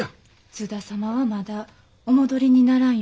津田様はまだお戻りにならんようですが。